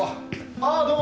ああどうも。